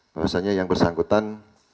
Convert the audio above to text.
bahwasanya yang bersangkutan